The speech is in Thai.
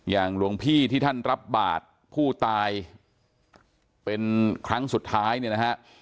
หลวงพี่ที่ท่านรับบาทผู้ตายเป็นครั้งสุดท้ายเนี่ยนะฮะ